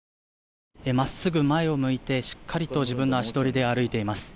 真っすぐ前を向いてしっかり自分の足取りで歩いていきます。